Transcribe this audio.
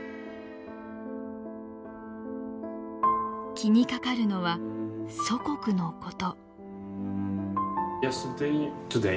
気にかかるのは祖国のこと。